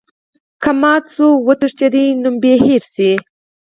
که مات شو او وتښتیدی نوم به یې هیر شو.